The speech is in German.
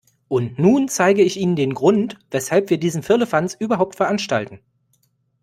Und nun zeige ich Ihnen den Grund, weshalb wir diesen Firlefanz überhaupt veranstalten.